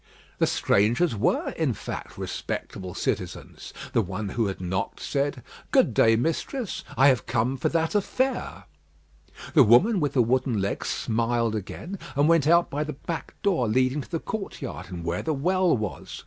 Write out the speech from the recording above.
The strangers were, in fact, respectable citizens. The one who had knocked said, "Good day, mistress. I have come for that affair." The woman with the wooden leg smiled again, and went out by the back door leading to the courtyard, and where the well was.